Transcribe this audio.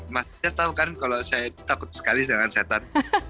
mas saya tahu kan kalau saya takut sekali dengan setan